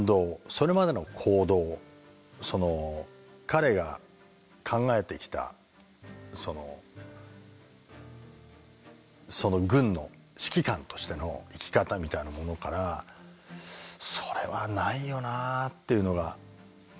それまでの行動彼が考えてきたその軍の指揮官としての生き方みたいなものからそれはないよなっていうのがまず一つ引っ掛かりとしてありました。